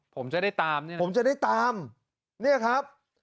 ผมจะได้ตามเนี่ยผมจะได้ตามเนี่ยครับ